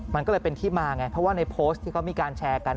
มันก็เลยเป็นที่มาไงเพราะว่าในโพสต์ที่เขามีการแชร์กัน